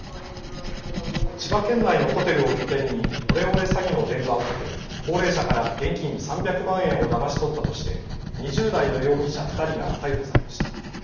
千葉県内のホテルを拠点にオレオレ詐欺の電話をかけ高齢者から現金３００万円をだまし取ったとして２０代の容疑者２人が逮捕されました。